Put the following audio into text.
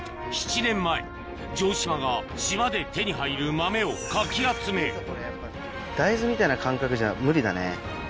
７年前城島が島で手に入る豆をかき集め・大豆みたいな感覚じゃ無理だね・